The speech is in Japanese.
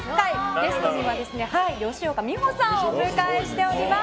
ゲストには吉岡美穂さんをお迎えしております。